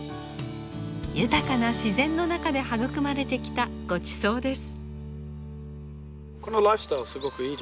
豊かな自然の中で育まれてきたごちそうです。